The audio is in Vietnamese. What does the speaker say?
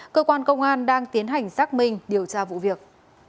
cơ quan công an đang tiến hành xác minh điều tra vụ việc